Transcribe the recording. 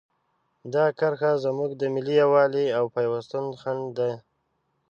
دغه کرښه زموږ د ملي یووالي او پیوستون خنډ ده.